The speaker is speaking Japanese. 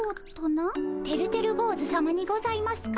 てるてる坊主さまにございますか？